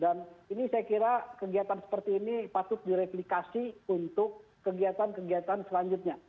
dan ini saya kira kegiatan seperti ini patut direplikasi untuk kegiatan kegiatan selanjutnya